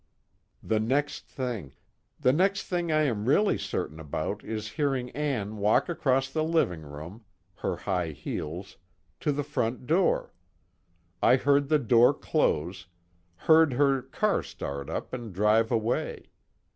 "The next thing the next thing I am really certain about is hearing Ann walk across the living room her high heels to the front door. I heard the door close, heard her car start up and drive away.